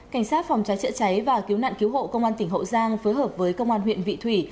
cảnh sát phòng cháy chữa cháy và cứu nạn cứu hộ công an tỉnh hậu giang phối hợp với công an huyện vị thủy